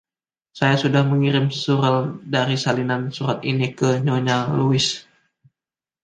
Saya sudah mengirim surel dari salinan surat ini ke Nyonya Louise.